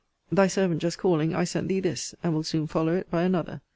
Thy servant just calling, I sent thee this: and will soon follow it by another.